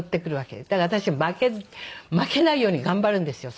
だから私は負けないように頑張るんですよ。